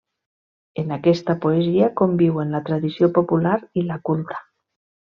En aquesta poesia conviuen la tradició popular i la culta.